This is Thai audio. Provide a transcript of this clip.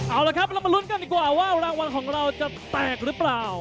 เอาละครับเรามาลุ้นกันดีกว่าว่ารางวัลของเราจะแตกหรือเปล่า